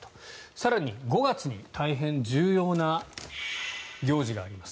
更に、５月に大変重要な行事があります。